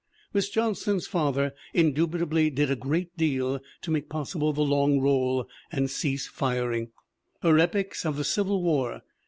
Miss John ston's father indubitably did a great deal to make pos sible The Long Roll and Cease Firing, her epics of the Civil War.